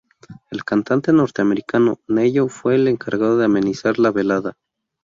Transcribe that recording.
El cantante norteamericano "Ne-Yo" fue el encargado de amenizar la velada.